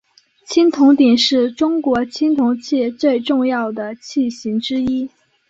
青铜鼎是中国青铜器最重要的器形之一。